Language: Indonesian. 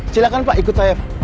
silahkan pak ikut saya